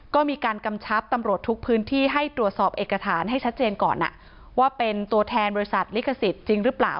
ก็มีการกำชับตำรวจทุกพื้นที่ให้ตรวจสอบเอกสารให้ชัดเจนก่อนว่าเป็นตัวแทนบริษัทลิขสิทธิ์จริงหรือเปล่า